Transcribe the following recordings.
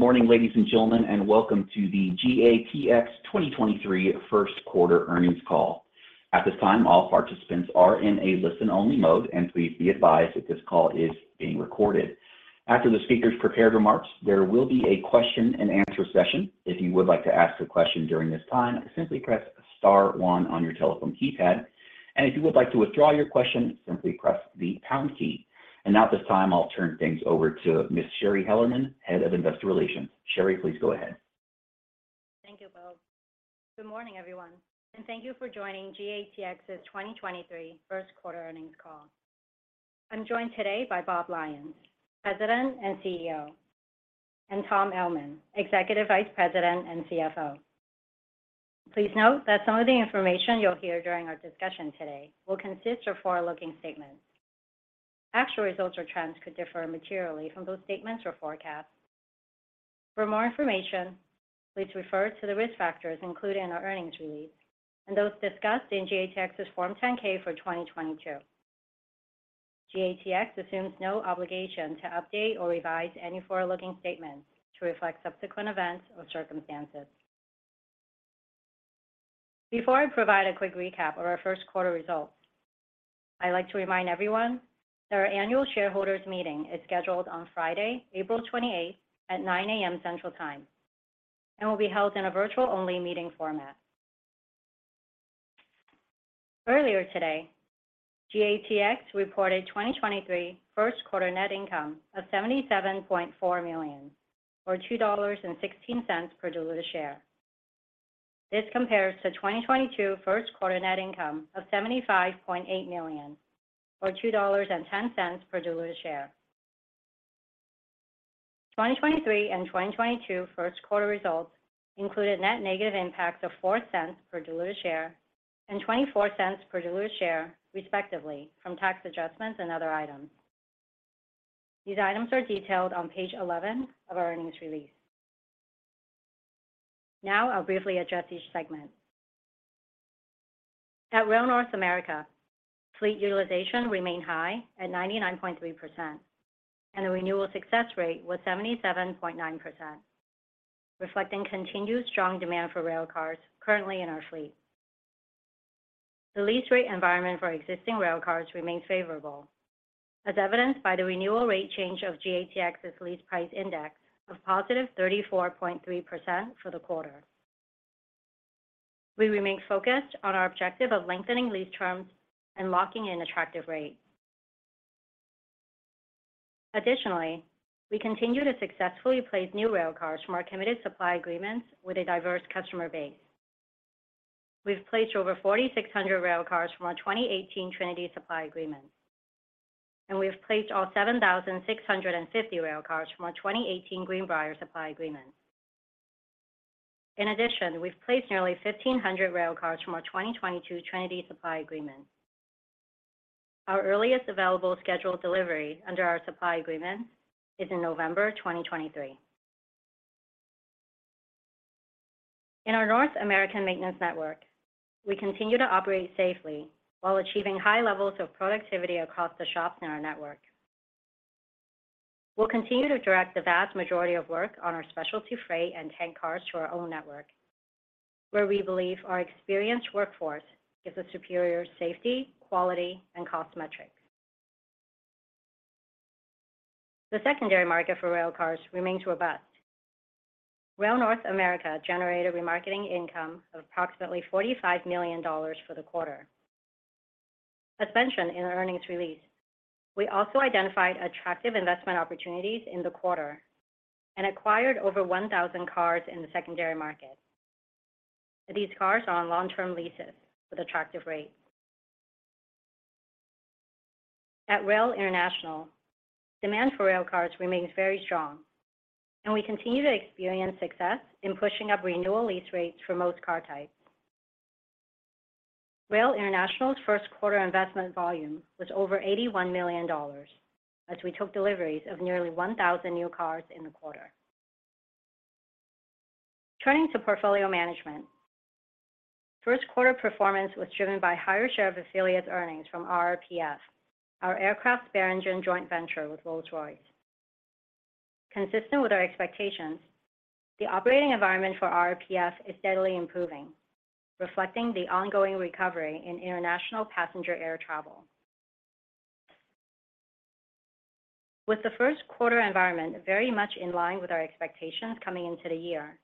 Good morning, ladies and gentlemen, and welcome to the GATX 2023 first quarter earnings call. At this time, all participants are in a listen-only mode, and please be advised that this call is being recorded. After the speakers' prepared remarks, there will be a question-and-answer session. If you would like to ask a question during this time, simply press star one on your telephone keypad. If you would like to withdraw your question, simply press the pound key. Now at this time, I'll turn things over to Ms. Shari Hellerman, Head of Investor Relations. Shari, please go ahead. Thank you, Bo. Good morning, everyone, and thank you for joining GATX's 2023 first quarter earnings call. I'm joined today by Bob Lyons, President and CEO, and Tom Ellman, Executive Vice President and CFO. Please note that some of the information you'll hear during our discussion today will consist of forward-looking statements. Actual results or trends could differ materially from those statements or forecasts. For more information, please refer to the risk factors included in our earnings release and those discussed in GATX's Form 10-K for 2022. GATX assumes no obligation to update or revise any forward-looking statements to reflect subsequent events or circumstances. Before I provide a quick recap of our first quarter results, I'd like to remind everyone that our annual shareholders meeting is scheduled on Friday, April 28th at 9:00 A.M. Central Time and will be held in a virtual-only meeting format. Earlier today, GATX reported 2023 first quarter net income of $77.4 million or $2.16 per diluted share. This compares to 2022 first quarter net income of $75.8 million or $2.10 per diluted share. 2023 and 2022 first quarter results included net negative impacts of $0.04 per diluted share and $0.24 per diluted share, respectively, from tax adjustments and other items. These items are detailed on page 11 of our earnings release. Now I'll briefly address each segment. At Rail North America, fleet utilization remained high at 99.3% and the renewal success rate was 77.9%, reflecting continued strong demand for railcars currently in our fleet. The lease rate environment for existing railcars remains favorable, as evidenced by the renewal rate change of GATX's Lease Price Index of +34.3% for the quarter. We remain focused on our objective of lengthening lease terms and locking in attractive rates. Additionally, we continue to successfully place new railcars from our committed supply agreements with a diverse customer base. We've placed over 4,600 railcars from our 2018 Trinity supply agreement, and we've placed all 7,650 railcars from our 2018 Greenbrier supply agreement. In addition, we've placed nearly 1,500 railcars from our 2022 Trinity supply agreement. Our earliest available scheduled delivery under our supply agreement is in November 2023. In our North American maintenance network, we continue to operate safely while achieving high levels of productivity across the shops in our network. We'll continue to direct the vast majority of work on our specialty freight and tank cars to our own network, where we believe our experienced workforce gives us superior safety, quality, and cost metrics. The secondary market for railcars remains robust. Rail North America generated remarketing income of approximately $45 million for the quarter. As mentioned in our earnings release, we also identified attractive investment opportunities in the quarter and acquired over 1,000 cars in the secondary market. These cars are on long-term leases with attractive rates. At Rail International, demand for railcars remains very strong, and we continue to experience success in pushing up renewal lease rates for most car types. Rail International's first quarter investment volume was over $81 million as we took deliveries of nearly 1,000 new cars in the quarter. Turning to Portfolio Management, first quarter performance was driven by higher share of affiliates earnings from RRPF, our aircraft spare engine joint venture with Rolls-Royce. Consistent with our expectations, the operating environment for RRPF is steadily improving, reflecting the ongoing recovery in international passenger air travel. With the first quarter environment very much in line with our expectations coming into the year,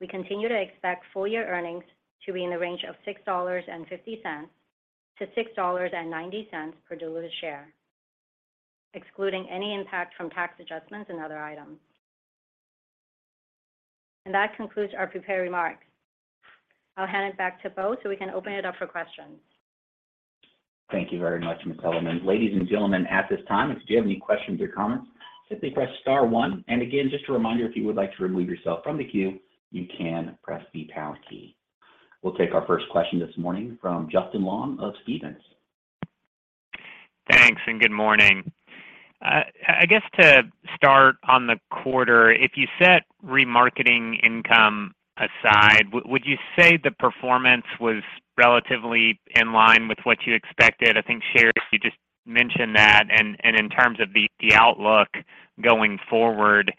we continue to expect full year earnings to be in the range of $6.50-$6.90 per diluted share, excluding any impact from tax adjustments and other items. That concludes our prepared remarks. I'll hand it back to Bo, so we can open it up for questions. Thank you very much, Ms. Hellerman. Ladies and gentlemen, at this time, if you do have any questions or comments, simply press star one. Again, just a reminder, if you would like to remove yourself from the queue, you can press the pound key. We'll take our first question this morning from Justin Long of Stephens. Thanks and good morning. I guess to start on the quarter, if you set remarketing income aside, would you say the performance was relatively in line with what you expected? I think, Shari, you just mentioned that. In terms of the outlook going forward,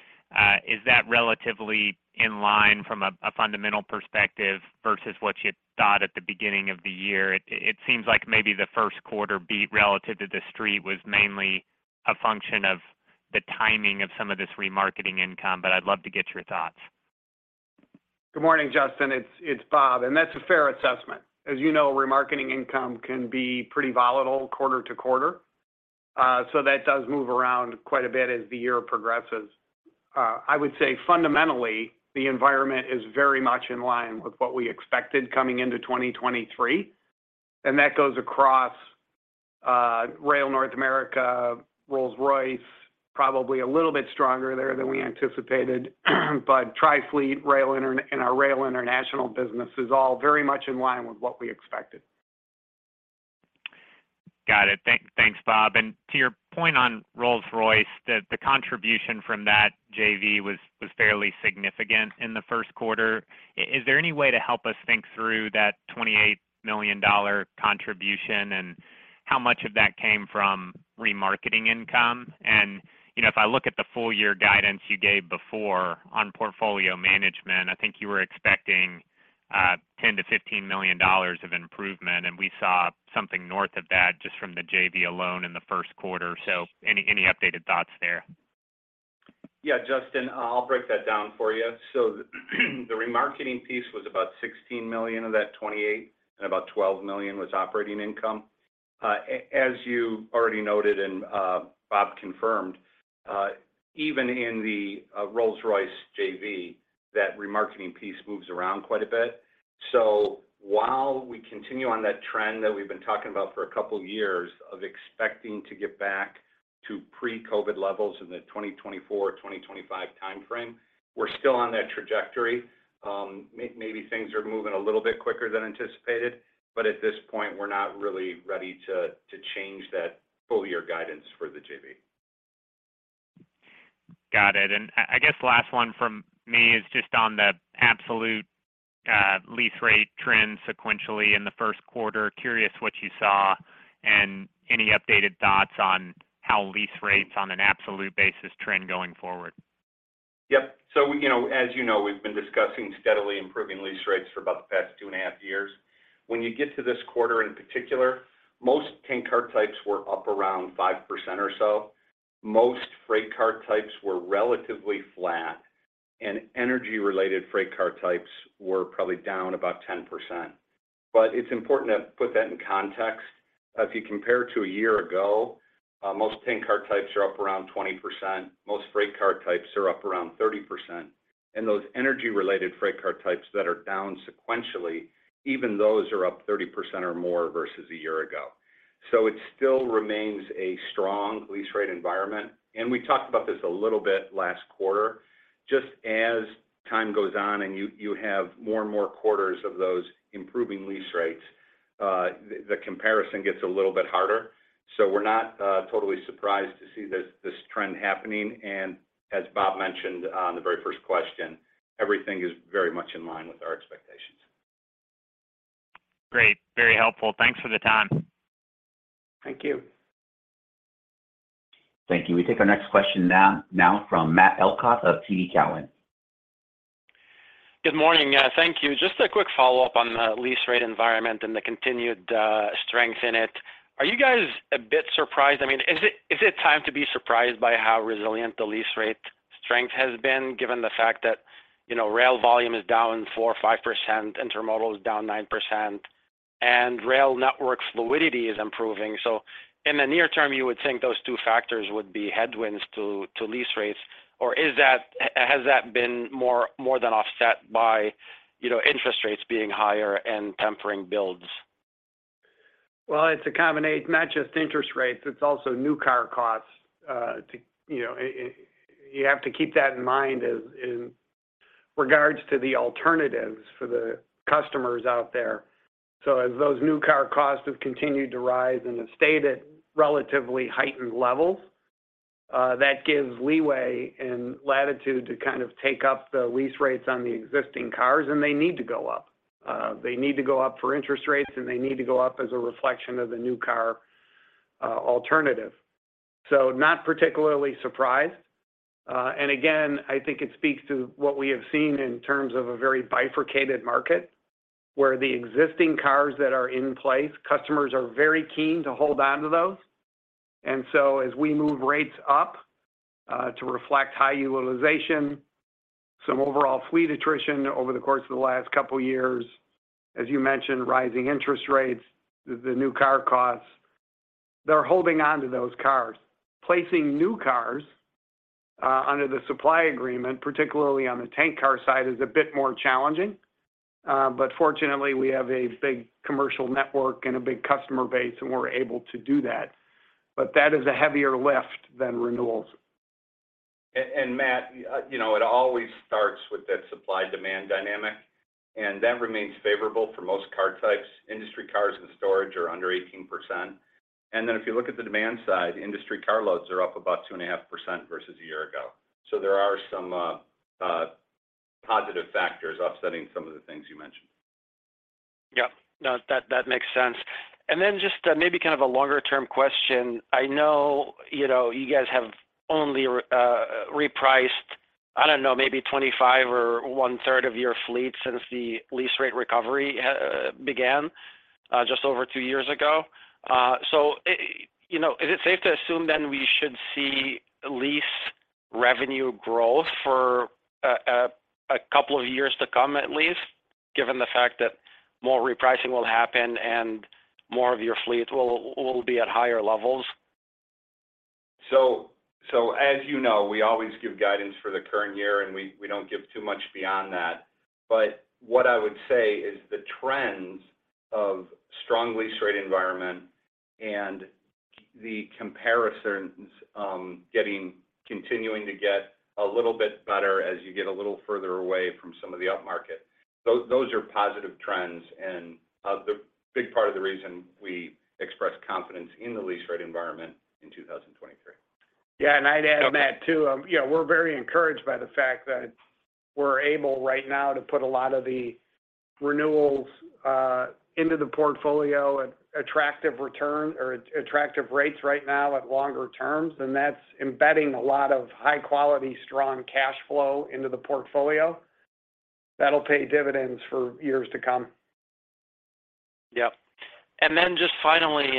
is that relatively in line from a fundamental perspective versus what you thought at the beginning of the year? It seems like maybe the first quarter beat relative to the street was mainly a function of the timing of some of this remarketing income, but I'd love to get your thoughts. Good morning, Justin. It's Bob. That's a fair assessment. As you know, remarketing income can be pretty volatile quarter to quarter, so that does move around quite a bit as the year progresses. I would say fundamentally, the environment is very much in line with what we expected coming into 2023. That goes across Rail North America, Rolls-Royce, probably a little bit stronger there than we anticipated, Trifleet, and our Rail International business is all very much in line with what we expected. Got it. Thanks, Bob. To your point on Rolls-Royce, the contribution from that JV was fairly significant in the first quarter. Is there any way to help us think through that $28 million contribution and how much of that came from remarketing income? You know, if I look at the full year guidance you gave before on Portfolio Management, I think you were expecting $10 million-$15 million of improvement, and we saw something north of that just from the JV alone in the first quarter. Any updated thoughts there? Yeah, Justin, I'll break that down for you. The remarketing piece was about $16 million of that $28 million, and about $12 million was operating income. As you already noted and Bob confirmed, even in the Rolls-Royce JV, that remarketing piece moves around quite a bit. While we continue on that trend that we've been talking about for a couple years of expecting to get back to pre-COVID levels in the 2024/2025 timeframe, we're still on that trajectory. Maybe things are moving a little bit quicker than anticipated, but at this point, we're not really ready to change that full year guidance for the JV. Got it. I guess last one from me is just on the absolute lease rate trend sequentially in the first quarter. Curious what you saw and any updated thoughts on how lease rates on an absolute basis trend going forward. Yep. you know, as you know, we've been discussing steadily improving lease rates for about the past two and half years. When you get to this quarter in particular, most tank car types were up around 5% or so. Most freight car types were relatively flat, and energy-related freight car types were probably down about 10%. It's important to put that in context. If you compare to a year ago, most tank car types are up around 20%. Most freight car types are up around 30%. Those energy-related freight car types that are down sequentially, even those are up 30% or more versus a year ago. It still remains a strong lease rate environment. We talked about this a little bit last quarter. Just as time goes on and you have more and more quarters of those improving lease rates, the comparison gets a little bit harder. We're not totally surprised to see this trend happening. As Bob mentioned on the very first question, everything is very much in line with our expectations. Great. Very helpful. Thanks for the time. Thank you. Thank you. We take our next question now from Matt Elkott of TD Cowen. Good morning. Thank you. Just a quick follow-up on the lease rate environment and the continued strength in it. Are you guys a bit surprised? I mean, is it time to be surprised by how resilient the lease rate strength has been, given the fact that, you know, rail volume is down 4% or 5%, intermodal is down 9%, and rail network fluidity is improving? In the near term, you would think those two factors would be headwinds to lease rates. Has that been more than offset by, you know, interest rates being higher and tempering builds? Well, it's a combination. It's not just interest rates, it's also new car costs. you know, you have to keep that in mind as in regards to the alternatives for the customers out there. As those new car costs have continued to rise and have stayed at relatively heightened levels, that gives leeway and latitude to kind of take up the lease rates on the existing cars, and they need to go up. They need to go up for interest rates, and they need to go up as a reflection of the new car alternative. Not particularly surprised. Again, I think it speaks to what we have seen in terms of a very bifurcated market, where the existing cars that are in place, customers are very keen to hold onto those. As we move rates up to reflect high utilization, some overall fleet attrition over the course of the last couple years, as you mentioned, rising interest rates, the new car costs, they're holding onto those cars. Placing new cars under the supply agreement, particularly on the tank car side, is a bit more challenging. Fortunately, we have a big commercial network and a big customer base, and we're able to do that. That is a heavier lift than renewals. Matt, you know, it always starts with that supply-demand dynamic, and that remains favorable for most car types. Industry cars and storage are under 18%. If you look at the demand side, industry car loads are up about 2.5% versus a year ago. There are some positive factors offsetting some of the things you mentioned. Yeah. No, that makes sense. Then just maybe kind of a longer term question. I know, you know, you guys have only repriced, I don't know, maybe 25 or 1/3 of your fleet since the lease rate recovery began just over two years ago. You know, is it safe to assume then we should see lease revenue growth for a couple of years to come at least, given the fact that more repricing will happen and more of your fleet will be at higher levels? As you know, we always give guidance for the current year, and we don't give too much beyond that. What I would say is the trends of strong lease rate environment and the comparisons continuing to get a little bit better as you get a little further away from some of the upmarket. Those are positive trends and the big part of the reason we express confidence in the lease rate environment in 2023. Yeah. I'd add, Matt, too, you know, we're very encouraged by the fact that we're able right now to put a lot of the renewals, into the portfolio at attractive return or attractive rates right now at longer terms, and that's embedding a lot of high-quality, strong cash flow into the portfolio. That'll pay dividends for years to come. Yep. Then just finally,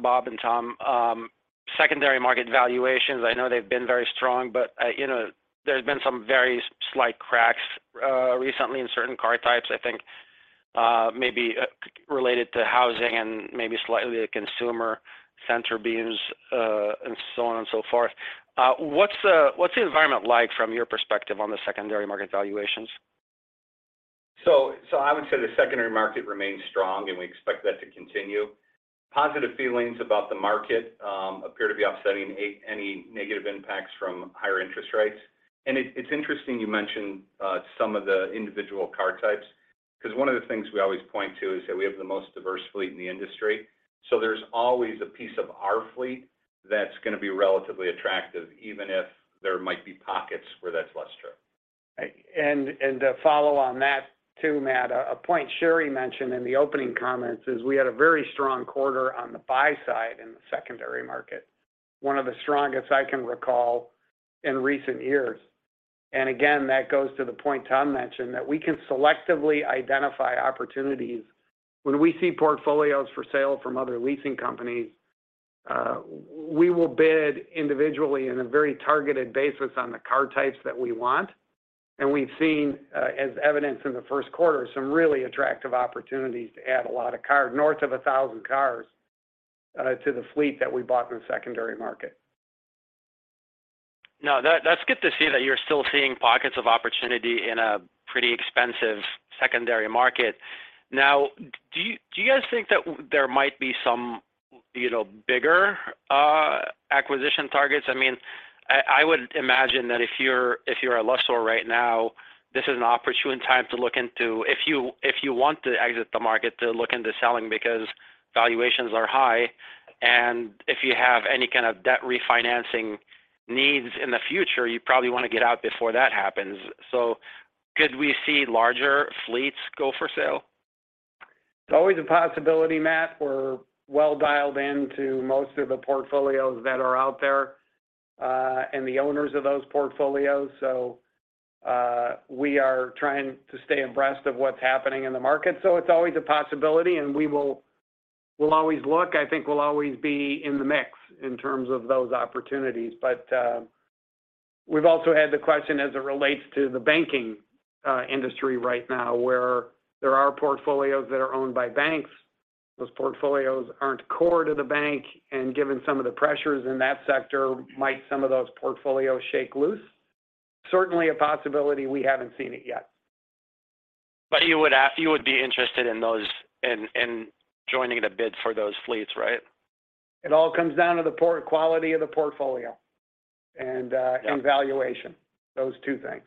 Bob and Tom, secondary market valuations. I know they've been very strong, but, you know, there's been some very slight cracks, recently in certain car types. I think, maybe, related to housing and maybe slightly to consumer centerbeams, and so on and so forth. What's the environment like from your perspective on the secondary market valuations? I would say the secondary market remains strong, and we expect that to continue. Positive feelings about the market appear to be offsetting any negative impacts from higher interest rates. It's interesting you mention some of the individual car types because one of the things we always point to is that we have the most diverse fleet in the industry. There's always a piece of our fleet that's going to be relatively attractive, even if there might be pockets where that's less true. To follow on that too, Matt, a point Shari mentioned in the opening comments is we had a very strong quarter on the buy side in the secondary market, one of the strongest I can recall in recent years. Again, that goes to the point Tom mentioned, that we can selectively identify opportunities. When we see portfolios for sale from other leasing companies, we will bid individually in a very targeted basis on the car types that we want. We've seen, as evidenced in the first quarter, some really attractive opportunities to add a lot of car, north of 1,000 cars, to the fleet that we bought from the secondary market. No, that's good to see that you're still seeing pockets of opportunity in a pretty expensive secondary market. Do you guys think that there might be some, you know, bigger acquisition targets? I mean, I would imagine that if you're a lessor right now, this is an opportune time to look into... If you want to exit the market to look into selling because valuations are high, and if you have any kind of debt refinancing needs in the future, you probably want to get out before that happens. Could we see larger fleets go for sale? It's always a possibility, Matt. We're well dialed in to most of the portfolios that are out there, and the owners of those portfolios. We are trying to stay abreast of what's happening in the market. It's always a possibility, and we'll always look. I think we'll always be in the mix in terms of those opportunities. We've also had the question as it relates to the banking industry right now, where there are portfolios that are owned by banks. Those portfolios aren't core to the bank, and given some of the pressures in that sector, might some of those portfolios shake loose? Certainly a possibility. We haven't seen it yet. You would be interested in those, in joining the bid for those fleets, right? It all comes down to the quality of the portfolio and.. Yeah... and valuation, those two things.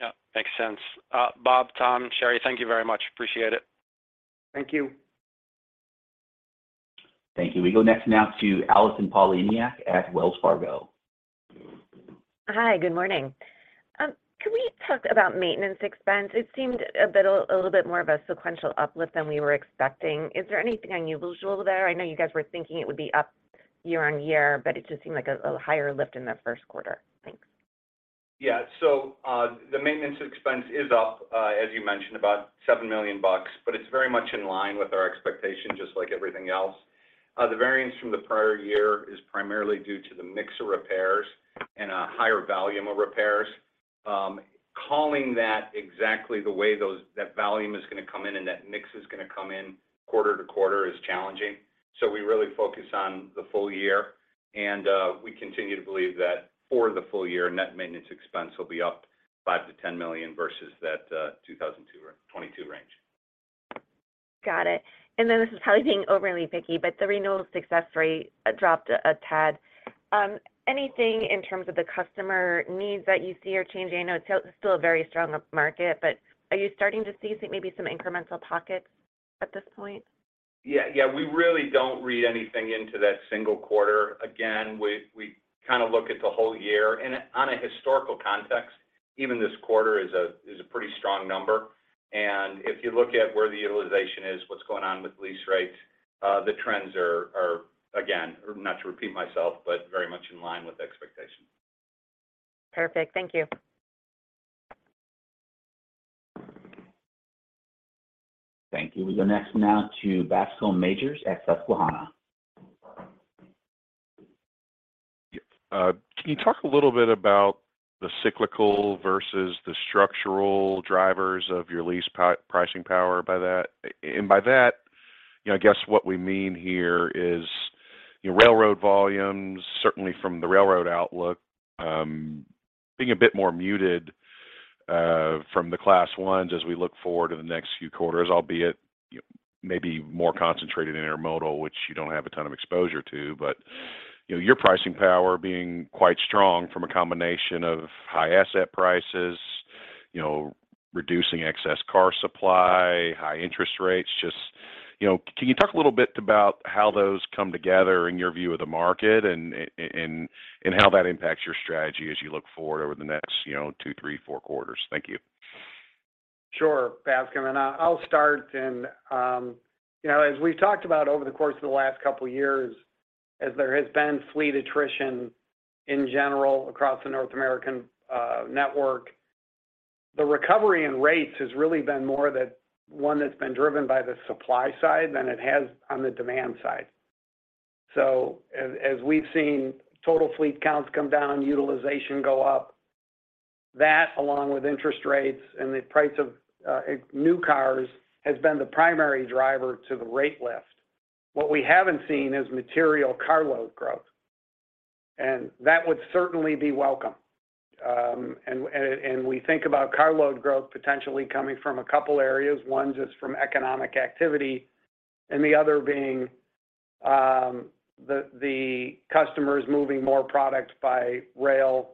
Yeah. Makes sense. Bob, Tom, Shari, thank you very much. Appreciate it. Thank you. Thank you. We go next now to Allison Poliniak-Cusic at Wells Fargo. Hi. Good morning. Can we talk about maintenance expense? It seemed a bit, a little bit more of a sequential uplift than we were expecting. Is there anything unusual there? I know you guys were thinking it would be up year-on-year, but it just seemed like a higher lift in the first quarter. Thanks. The maintenance expense is up, as you mentioned, about $7 million, but it's very much in line with our expectation, just like everything else. The variance from the prior year is primarily due to the mix of repairs and a higher volume of repairs. Calling that exactly the way that volume is going to come in and that mix is going to come in quarter to quarter is challenging. We really focus on the full year, and we continue to believe that for the full year, net maintenance expense will be up $5 million-$10 million versus that 2022 range. Got it. This is probably being overly picky, but the renewal success rate dropped a tad. Anything in terms of the customer needs that you see are changing? I know it's still a very strong market, but are you starting to see maybe some incremental pockets at this point? Yeah. We really don't read anything into that single quarter. We kind of look at the whole year. On a historical context, even this quarter is a pretty strong number. If you look at where the utilization is, what's going on with lease rates, the trends are again, not to repeat myself, but very much in line with expectations. Perfect. Thank you. Thank you. We go next now to Bascome Majors at Susquehanna. Can you talk a little bit about the cyclical versus the structural drivers of your lease pricing power by that? By that, you know, I guess what we mean here is, you know, railroad volumes, certainly from the railroad outlook, being a bit more muted from the Class Is as we look forward to the next few quarters, albeit, you know, maybe more concentrated in intermodal, which you don't have a ton of exposure to. You know, your pricing power being quite strong from a combination of high asset prices, you know, reducing excess car supply, high interest rates. Just, you know, can you talk a little bit about how those come together in your view of the market and, and how that impacts your strategy as you look forward over the next, you know, two, three, four quarters? Thank you. Sure, Bascome, I'll start. You know, as we've talked about over the course of the last couple of years, as there has been fleet attrition in general across the North American network, the recovery in rates has really been more one that's been driven by the supply side than it has on the demand side. As we've seen total fleet counts come down, utilization go up, that along with interest rates and the price of new cars has been the primary driver to the rate lift. What we haven't seen is material carload growth, and that would certainly be welcome. We think about carload growth potentially coming from a couple areas. One just from economic activity and the other being, the customers moving more product by rail,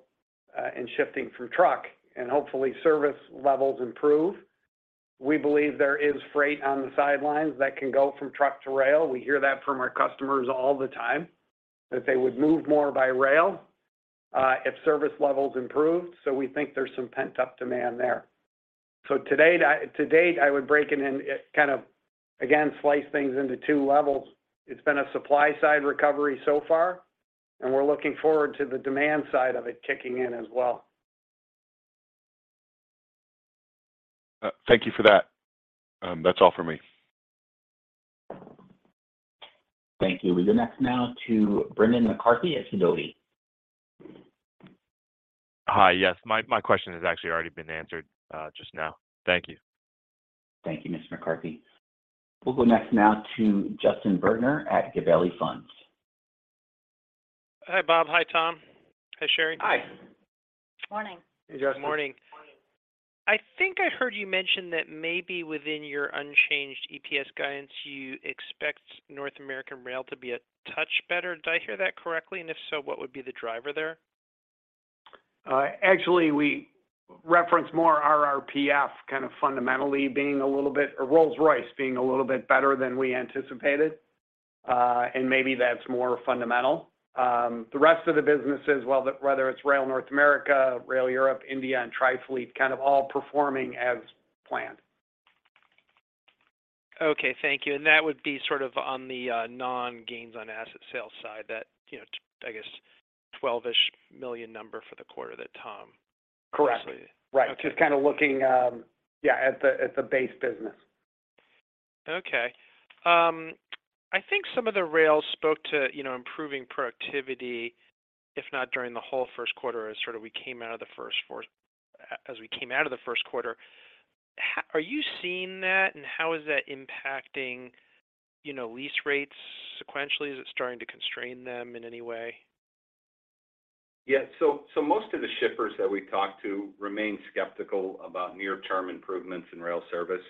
and shifting from truck and hopefully service levels improve. We believe there is freight on the sidelines that can go from truck to rail. We hear that from our customers all the time, that they would move more by rail, if service levels improved. We think there's some pent-up demand there. To date, I would break it in kind of, again, slice things into two levels. It's been a supply side recovery so far, and we're looking forward to the demand side of it kicking in as well. Thank you for that. That's all for me. Thank you. We go next now to Brendan McCarthy at Sidoti. Hi. Yes, my question has actually already been answered just now. Thank you. Thank you, Mr. McCarthy. We'll go next now to Justin Bergner at Gabelli Funds. Hi, Bob. Hi, Tom. Hi, Shari. Hi. Morning. Hey, Justin. Morning. I think I heard you mention that maybe within your unchanged EPS guidance, you expect North American Rail to be a touch better. Did I hear that correctly? If so, what would be the driver there? Actually, we reference more RRPF kind of fundamentally being or Rolls-Royce being a little bit better than we anticipated, and maybe that's more fundamental. The rest of the businesses, well, whether it's Rail North America, Rail Europe, India, and Trifleet kind of all performing as planned. Okay, thank you. That would be sort of on the non-gains on asset sales side that, you know, I guess $12 million number for the quarter that Tom- Correct. -mentioned. Right. Okay. Just kind of looking, yeah, at the base business. I think some of the rails spoke to, you know, improving productivity, if not during the whole first quarter as sort of we came out of the first quarter. Are you seeing that? How is that impacting, you know, lease rates sequentially? Is it starting to constrain them in any way? Most of the shippers that we talk to remain skeptical about near-term improvements in rail service.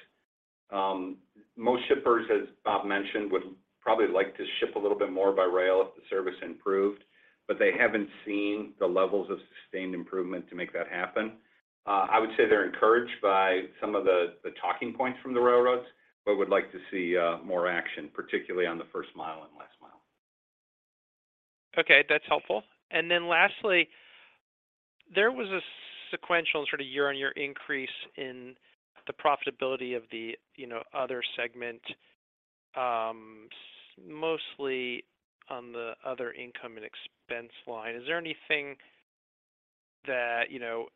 Most shippers, as Bob mentioned, would probably like to ship a little bit more by rail if the service improved, but they haven't seen the levels of sustained improvement to make that happen. I would say they're encouraged by some of the talking points from the railroads, but would like to see more action, particularly on the first mile and last mile. Okay, that's helpful. Lastly, there was a sequential sort of year-on-year increase in the profitability of the, you know, Other segment, mostly on the Other Income and Expense line. Is there anything that, you know,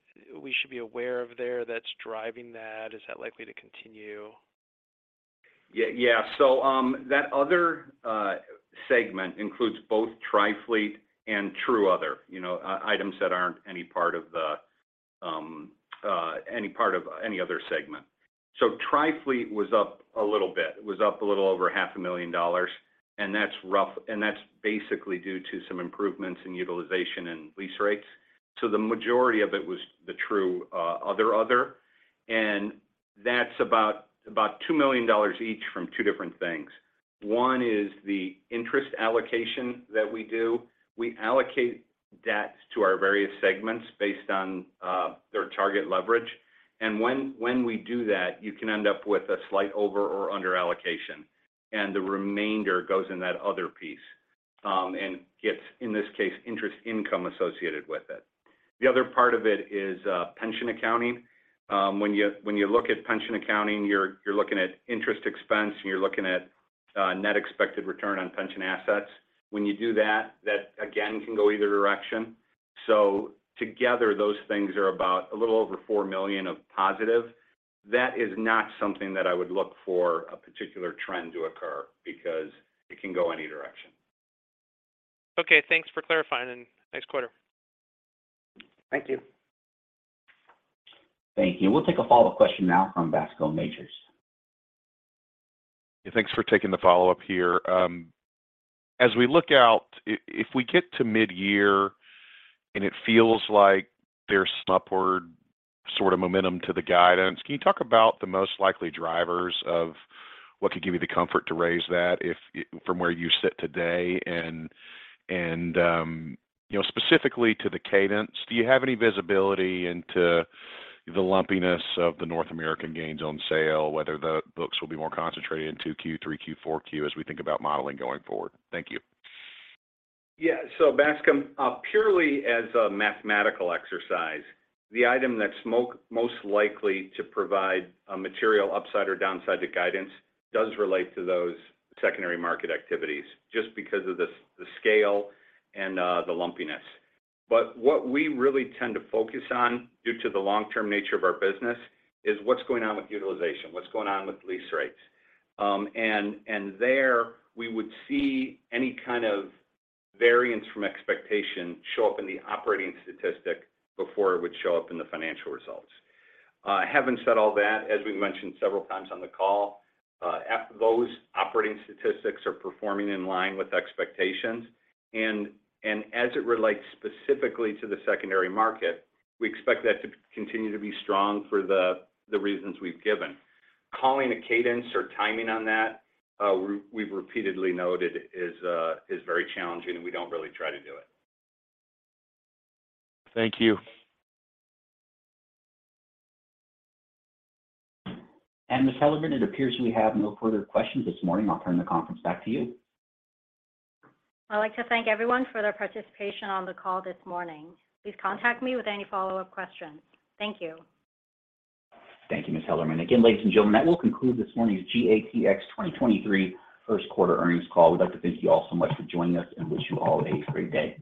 we should be aware of their that's driving that? Is that likely to continue? Yeah. That Other segment includes both Trifleet and True Other, you know, items that aren't any part of any Other segment. Trifleet was up a little bit. It was up a little over $500,000 and that's basically due to some improvements in utilization and lease rates. The majority of it was the True, Other-Other, and that's about $2 million each from two different things. One is the interest allocation that we do. We allocate debt to our various segments based on their target leverage. When we do that, you can end up with a slight over or under allocation, and the remainder goes in that other piece, and gets, in this case, interest income associated with it. The other part of it is pension accounting. When you look at pension accounting, you're looking at interest expense, and you're looking at net expected return on pension assets. When you do that again can go either direction. Together, those things are about a little over $4 million of positive. That is not something that I would look for a particular trend to occur because it can go any direction. Okay, thanks for clarifying and nice quarter. Thank you. Thank you. We'll take a follow-up question now from Bascome Majors. Thanks for taking the follow-up here. As we look out, if we get to mid-year and it feels like there's upward sort of momentum to the guidance, can you talk about the most likely drivers of what could give you the comfort to raise that if from where you sit today and, you know, specifically to the cadence? Do you have any visibility into the lumpiness of the North American gains on sale, whether the books will be more concentrated in 2Q, 3Q, 4Q as we think about modeling going forward? Thank you. Bascom, purely as a mathematical exercise, the item that's most likely to provide a material upside or downside to guidance does relate to those secondary market activities just because of the scale and the lumpiness. What we really tend to focus on due to the long-term nature of our business is what's going on with utilization, what's going on with lease rates. And there we would see any kind of variance from expectation show up in the operating statistic before it would show up in the financial results. Having said all that, as we've mentioned several times on the call, those operating statistics are performing in line with expectations. As it relates specifically to the secondary market, we expect that to continue to be strong for the reasons we've given. Calling a cadence or timing on that, we've repeatedly noted is very challenging, and we don't really try to do it. Thank you. Ms. Hellerman, it appears we have no further questions this morning. I'll turn the conference back to you. I'd like to thank everyone for their participation on the call this morning. Please contact me with any follow-up questions. Thank you. Thank you, Ms. Hellerman. Again, ladies and gentlemen, that will conclude this morning's GATX 2023 first quarter earnings call. We'd like to thank you all so much for joining us and wish you all a great day.